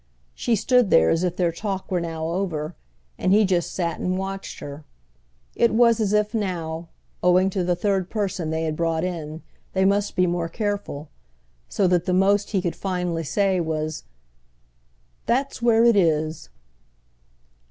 She stood there as if their talk were now over, and he just sat and watched her. It was as if now—owing to the third person they had brought in—they must be more careful; so that the most he could finally say was: "That's where it is!"